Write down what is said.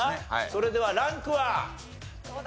それではランクは？